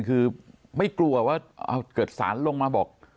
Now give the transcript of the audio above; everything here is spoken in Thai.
คือไม่กลัวว่าเกิดสารลงมาบอก